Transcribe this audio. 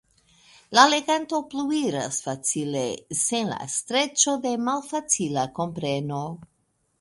La leganto pluiras facile, sen la streĉo de malfacila kompreno.